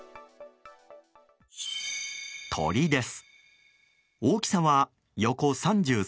鳥です。